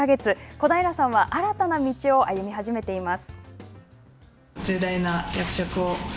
小平さんは、新たな道を歩み始めています。